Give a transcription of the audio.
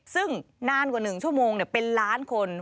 ซึ่งนานกว่า๑ชั่วโมงเป็นล้านคน